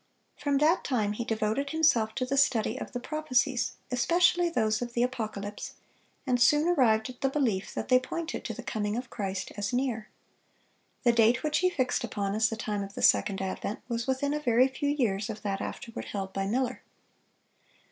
From that time he devoted himself to the study of the prophecies, especially those of the Apocalypse, and soon arrived at the belief that they pointed to the coming of Christ as near. The date which he fixed upon as the time of the second advent was within a very few years of that afterward held by Miller.